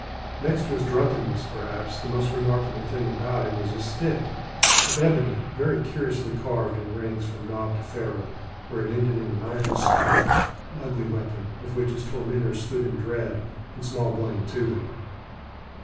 Next to his drunkenness, perhaps, the most remarkable thing about him was his stick of ebony, very curiously carved in rings from knob to ferrule, where it ended in an iron spike; an ugly weapon, of which his tormentors stood in dread, and small blame to them.